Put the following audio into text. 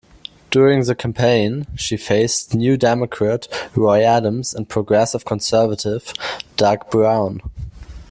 During the campaign, she faced New Democrat Roy Adams and Progressive Conservative, Doug Brown.